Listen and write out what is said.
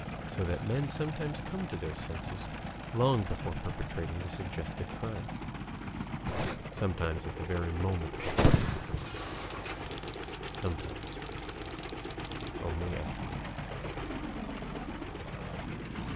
So that men sometimes come to their senses long before perpetrating the suggested crime, sometimes at the very moment before perpetrating it, sometimes only afterward.